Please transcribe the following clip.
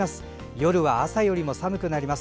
夜は朝よりも寒くなります。